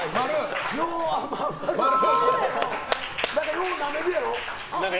ようなめるやろ。